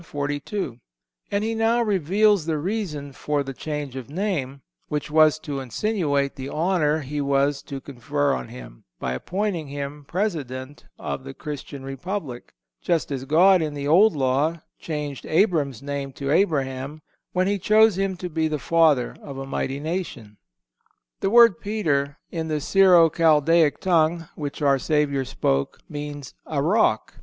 42); and He now reveals the reason for the change of name, which was to insinuate the honor He was to confer on him, by appointing him President of the Christian Republic; just as God, in the Old Law, changed Abram's name to Abraham, when He chose him to be the father of a mighty nation. The word Peter, in the Syro Chaldaic tongue, which our Savior spoke, means a rock.